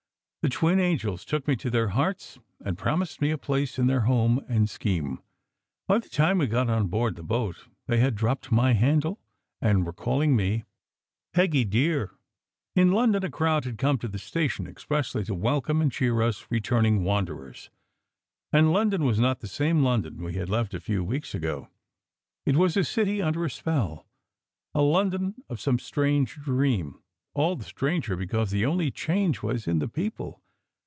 The twin angels took me to their hearts and promised me a place in their home and scheme. By the time we got on board the boat they had dropped my handle and were calling me "Peggy dear." In London a crowd had come to the station expressly to welcome and cheer us returning wanderers. And London was not the same London we had left a few w r eeks ago. It was a city under a spell, a London of some strange dream, all the stranger because the only change was in the people.